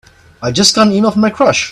I just got an e-mail from my crush!